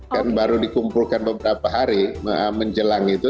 kan baru dikumpulkan beberapa hari menjelang itu